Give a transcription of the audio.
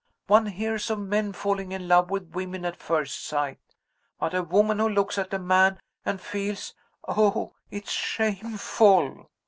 One hears of men falling in love with women at first sight. But a woman who looks at a man, and feels oh, it's shameful!